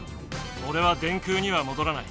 おれは電空にはもどらない。